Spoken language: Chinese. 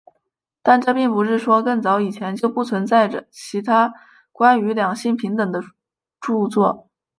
但这并不是说更早以前就不存在着其他关于两性平等的着作。